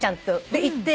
で行って。